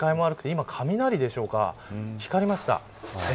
今、雷でしょうか、光りました。